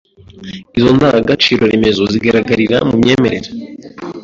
Izo ndangagaciro remezo zigaragarira mu myemerere